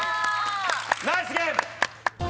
ナイスゲーム！